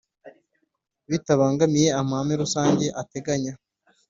Bitabangamiye amahame rusange ateganya